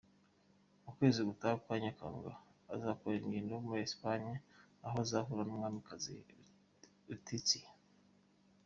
Mu kwezi gutaha kwa Nyakanga, azakorera ingendo muri Espagne aho azahura n’umwamikazi Letizia.